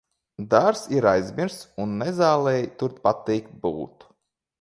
Dārzs ir aizmirsts un nezālei tur patīk būt.